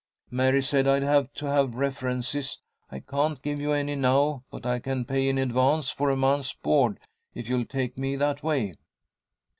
Mary said I'd have to have references. I can't give you any now, but I can pay in advance for a month's board, if you'll take me that way."